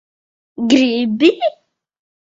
Gribi?